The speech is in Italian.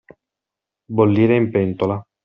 Bollire in pentola.